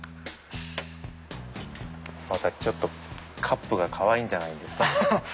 またちょっとカップがかわいいんじゃないですか。